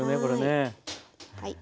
はい。